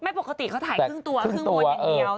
ปกติเขาถ่ายครึ่งตัวครึ่งบนอย่างเดียว